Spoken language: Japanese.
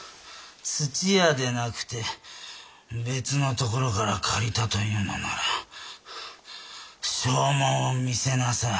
屋でなくて別のところから借りたと言うのなら証文を見せなさい。